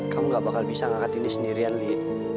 kamu gak bakal bisa ngangkatin di sendirian li